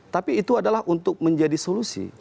tapi itu adalah untuk menjadi solusi